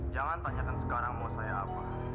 jangan tanyakan sekarang mau saya apa